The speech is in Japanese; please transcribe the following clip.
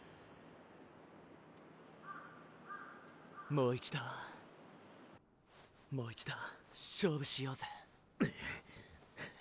もう一度もう一度勝負しようぜ。